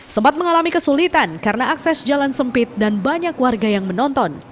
sempat mengalami kesulitan karena akses jalan sempit dan banyak warga yang menonton